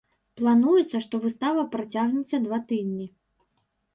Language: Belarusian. Плануецца, што выстава працягнецца два тыдні.